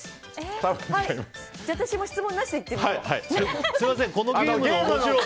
私も質問なしで行ってみよう。